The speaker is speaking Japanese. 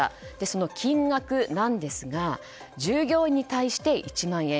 その金額ですが従業員に対して１万円。